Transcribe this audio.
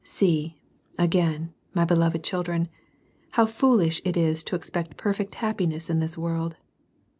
See, again, my beloved children, how foolish it is to expect perfect happiness in this world.